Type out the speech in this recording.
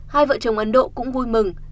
hai vợ chồng ấn độ cũng vui mừng